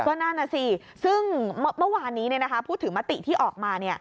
ก็นั่นน่ะสิซึ่งเมื่อวานนี้พูดถึงมติที่ออกมา